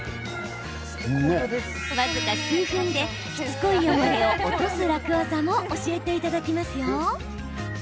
僅か数分でしつこい汚れを落とす楽ワザも教えていただきますよ。